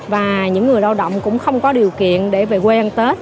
và những người lao động cũng không có điều kiện để về quê ăn tết